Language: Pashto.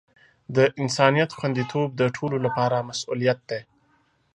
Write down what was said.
د انسانیت خوندیتوب د ټولو لپاره مسؤولیت دی.